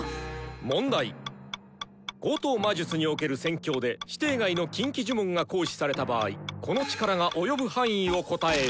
「問題口頭魔術における戦況で指定外の禁忌呪文が行使された場合この力が及ぶ範囲を答えよ」。